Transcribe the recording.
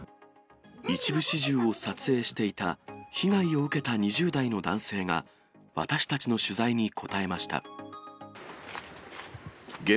一部始終を撮影していた被害を受けた２０代の男性が、私たちの取材に応えました。